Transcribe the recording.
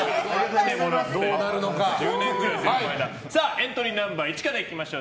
エントリーナンバー１からいきましょう。